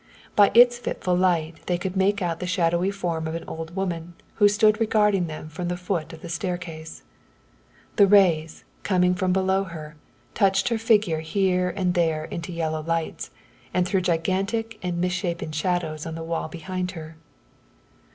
By its fitful light they could make out the shadowy form of an old woman who stood regarding them from the foot of the staircase. The rays, coming from below her, touched her figure here and there into yellow lights, and threw gigantic and misshapen shadows on the walls behind her.